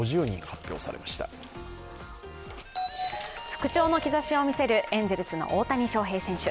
復調の兆しを見せるエンゼルスの大谷翔平選手。